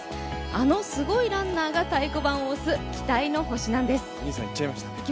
あのすごいランナーが太鼓判を押す、期待の星なんです。